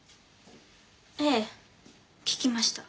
ええ聞きました。